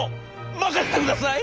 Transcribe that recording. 「任せてください！